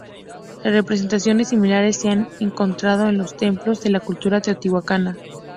Representaciones similares se han encontrado en los templos de la cultura teotihuacana.